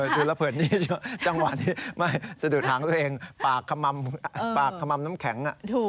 ดูละเผิดนี่จังหวะที่สะดุดหักตัวเองปากขม่ำน้ำแข็ง